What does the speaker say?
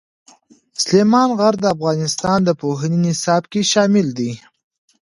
سلیمان غر د افغانستان د پوهنې نصاب کې شامل دي.